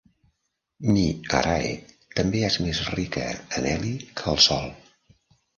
Mi Arae també és més rica en heli que el Sol.